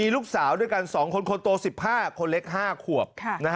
ลูกสาวด้วยกัน๒คนคนโต๑๕คนเล็ก๕ขวบ